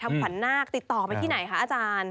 ทำขวานหน้ากติดต่อไปที่ไหนคะอาจารย์